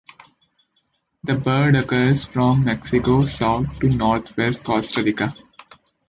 The bird occurs from Mexico south to north-west Costa Rica.